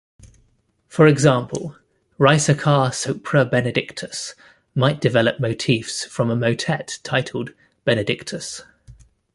For example, "Ricercar sopra Benedictus" might develop motifs from a motet titled "Benedictus".